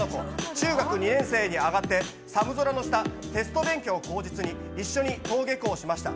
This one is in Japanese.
中学２年生に上がって寒空の下、テスト勉強を口実に一緒に登下校しました。